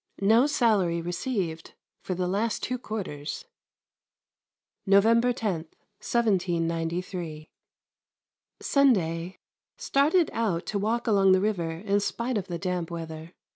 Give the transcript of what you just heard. No salary received for the last two quarters. November 10, 1793. Sunday. Started out to walk along the river in spite of the damp weather.